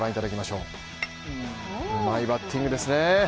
うまいバッティングですね。